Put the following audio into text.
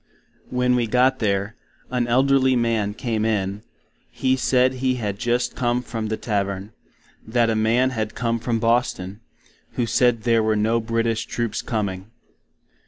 When we got there, an elderly man came in; he said he had just come from the Tavern, that a Man had come from Boston, who said there were no British troops coming.